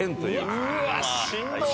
うわっしんどっ！